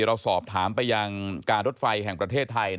เราสอบถามไปยังการรถไฟแห่งประเทศไทย